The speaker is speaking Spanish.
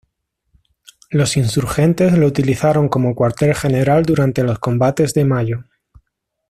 Los insurgentes lo utilizaron como cuartel general durante los combates de mayo.